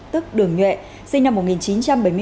tức đường nhuệ sinh năm một nghìn chín trăm bảy mươi bốn